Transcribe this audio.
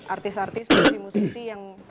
artis artis musik sih yang